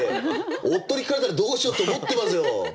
夫に聞かれたらどうしようと思ってますよ！